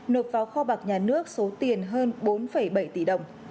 nộp vào kho bạc nhà nước số tiền hơn bốn bảy tỷ đồng